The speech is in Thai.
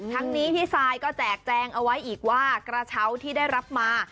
ทั้งนี้พี่ซายก็แจกแจงเอาไว้อีกว่ากระเช้าที่ได้รับมา